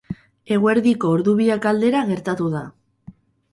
Eguerdiko ordu biak aldera gertatu da.